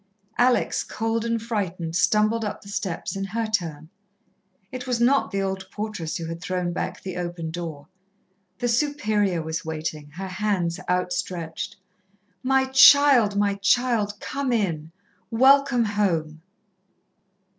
Alex, cold and frightened, stumbled up the steps in her turn. It was not the old portress who had thrown back the open door. The Superior was waiting, her hands outstretched. "My child, my child, come in! Welcome home."